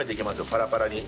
パラパラに。